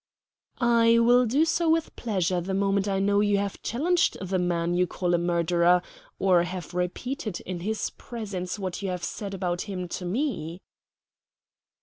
"I will do so with pleasure the moment I know you have challenged the man you call a murderer, or have repeated in his presence what you have said about him to me."